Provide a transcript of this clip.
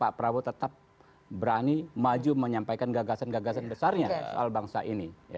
pak prabowo tetap berani maju menyampaikan gagasan gagasan besarnya soal bangsa ini